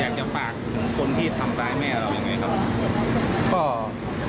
อยากจะฝากถึงคนที่ทำร้ายแม่เรายังไงครับ